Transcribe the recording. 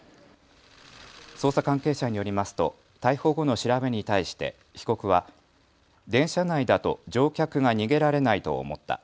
捜査関係者によりますと逮捕後の調べに対して被告は電車内だと乗客が逃げられないと思った。